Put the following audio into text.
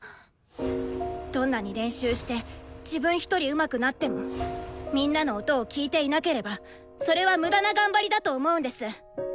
どんなに練習して自分ひとりうまくなってもみんなの音を聴いていなければそれは無駄な頑張りだと思うんです。